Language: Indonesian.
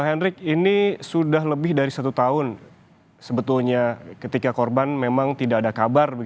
pak hendrik ini sudah lebih dari satu tahun sebetulnya ketika korban memang tidak ada kabar